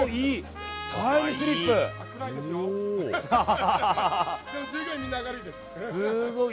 タイムスリップ、いい！